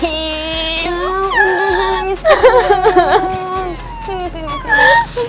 ya ampun jangan nangis terus